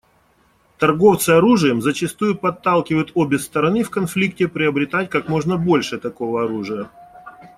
Торговцы оружием зачастую подталкивают обе стороны в конфликте приобретать как можно больше такого оружия.